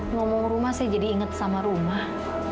ngomong rumah saya jadi ingat sama rumah